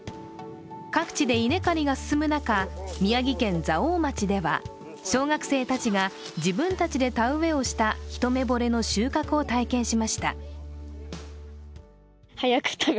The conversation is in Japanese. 各地で稲刈りが進む中、宮城県蔵王町では小学生たちが自分たちで田植えをしたひとめぼれの収穫を体験しました。